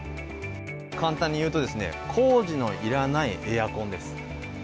簡単に言うと、工事のいらないエアコンです。